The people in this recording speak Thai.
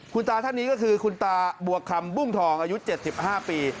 คุณตาท่านนี้ก็คือคุณตาบวกคำบุ้งทองอายุ๗๕ปี